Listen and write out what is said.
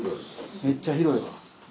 めっちゃ広いわ。